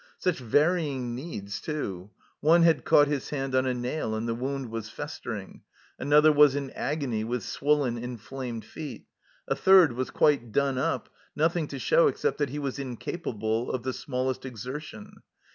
Such varying needs, too ! One had caught his hand on a nail, and the wound was festering ; another was in agony with swollen, inflamed feet ; a third was quite done up, nothing to show except that he was incapable of the smallest exertion.